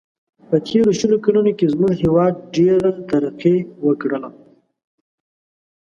په تېرو شلو کلونو کې زموږ هیواد ډېره ترقي و کړله.